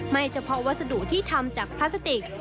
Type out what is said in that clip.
เฉพาะวัสดุที่ทำจากพลาสติก